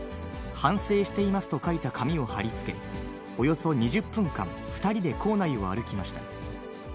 反省していますと書いた紙を貼りつけ、およそ２０分間、２人で校内を歩きました。